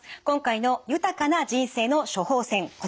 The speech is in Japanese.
今回の「豊かな人生の処方せん」